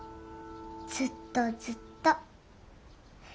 ずっとずっと。